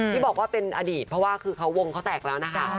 ที่บอกว่าเป็นอดีตเพราะว่าคือเขาวงเขาแตกแล้วนะคะ